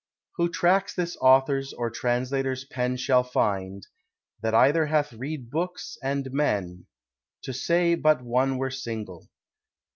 Who tracks this author's or translator's pen Shall finde, that either hath read bookes, and men: To say but one were single.